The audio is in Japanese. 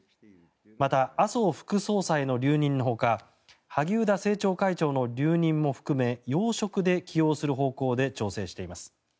また、麻生副総裁の留任のほか萩生田政調会長の留任も含め要職で起用する方向で調整しています。